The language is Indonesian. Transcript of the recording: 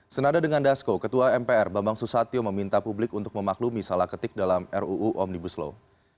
senada dengan dasko ketua mpr bambang susatyo meminta publik untuk memaklumi salah ketik dalam ruu omnibus law